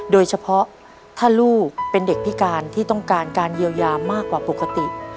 โดยเฉพาะถ้าลูกเป็นเด็กพิการที่ต้องการการเยียวยามากกว่าปกติ